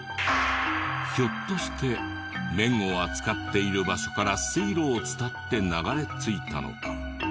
ひょっとして麺を扱っている場所から水路を伝って流れ着いたのか？